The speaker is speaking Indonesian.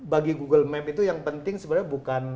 bagi google map itu yang penting sebenarnya bukan